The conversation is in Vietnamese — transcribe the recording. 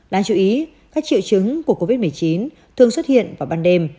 đáng chú ý các triệu chứng của covid một mươi chín thường xuất hiện vào ban đêm